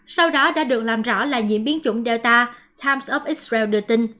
sau đó đã được làm rõ là nhiễm biến chủng delta times of israel đưa tin